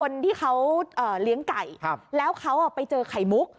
คนที่เขาเลี้ยงไก่แล้วเขาไปเจอไข่มุก